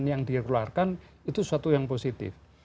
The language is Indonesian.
yang dikeluarkan itu suatu yang positif